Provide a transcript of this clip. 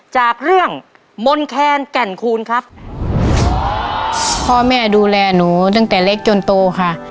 จากเรื่องมนแคนแก่นคูณครับพ่อแม่ดูแลหนูตั้งแต่เล็กจนโตค่ะ